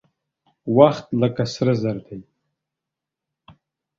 وخت لکه سره زر دى.